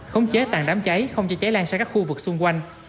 khống chế tàn đám cháy không cho cháy lan sang các khu vực xung quanh